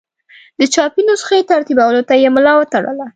د چاپي نسخې ترتیبولو ته یې ملا وتړله.